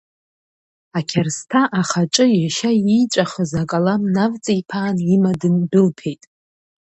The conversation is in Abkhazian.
Ақьарсҭа ахаҿы иашьа ииҵәахыз акалам навҵиԥаан има дындәылԥеит.